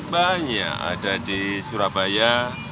banyak ada di surabaya